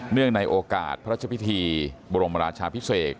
ในโอกาสพระราชพิธีบรมราชาพิเศษ